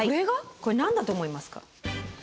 これ何だと思いますか？